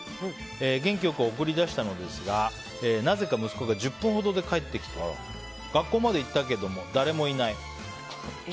元気良く送り出したのですがなぜか息子が１０分ほどで帰ってきて学校まで行ったけども誰もいないと。